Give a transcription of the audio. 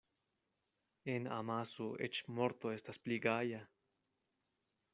En amaso eĉ morto estas pli gaja.